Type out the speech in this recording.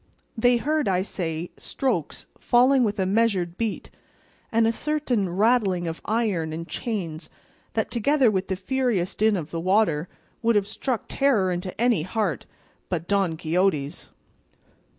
They heard, I say, strokes falling with a measured beat, and a certain rattling of iron and chains that, together with the furious din of the water, would have struck terror into any heart but Don Quixote's.